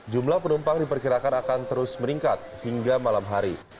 jumlah penumpang diperkirakan akan terus meningkat hingga malam hari